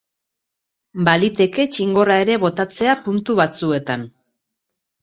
Baliteke txingorra ere botatzea puntu batzuetan.